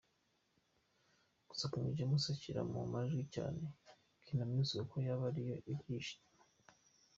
Gusa King James ashyira mu majwi cyane Kina Music ko yaba ariyo ibyihishe inyuma.